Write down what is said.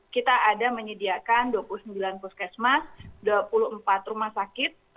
kita ada menyediakan dua puluh sembilan puskesmas dua puluh empat rumah sakit